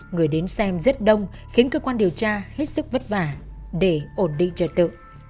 người đến xem rất đông khiến cơ quan điều tra hết sức vất vả để ổn định trật tự